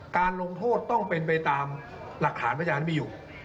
การลงโทษต้องเป็นไปตามหลักฐานพยานมีอยู่